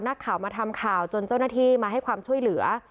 นักข่าวมาทำข่าวจนเจ้าหน้าที่มาให้ความช่วยเหลือ